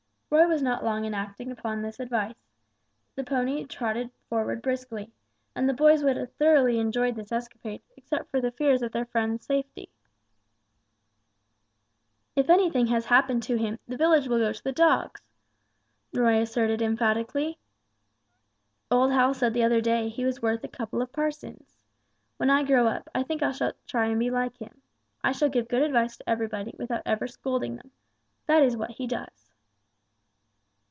Roy was not long in acting upon this advice. The pony trotted forward briskly, and the boys would have thoroughly enjoyed this escapade, except for the fears of their friend's safety. "If anything has happened to him, the village will go to the dogs!" Roy asserted, emphatically; "old Hal said the other day he was worth a couple of parsons. When I grow up, I think I shall try and be like him. I shall give good advice to everybody without ever scolding them, that is what he does."